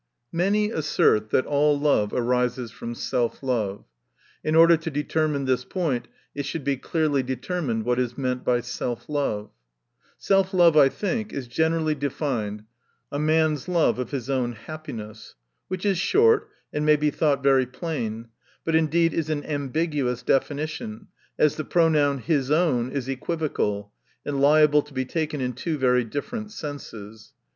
Many assert, that all love arises from self love. In order to determine this point, it should be clearly ascertained what is meant by self love. Self love, I think, is generally defined — a man's love of his own happine ^ Which is short, and may be thought very plain : but indeed is an ami definition, as the pronoun his own, is equivocal, and liable to be taken in two very different senses.